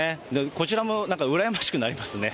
こちらもなんか羨ましくなりますね。